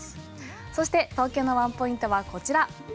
そして東京のワンポイントはこちら。